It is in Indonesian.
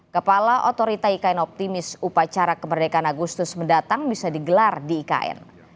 kepala otorita ikn optimis upacara kemerdekaan agustus mendatang bisa digelar di ikn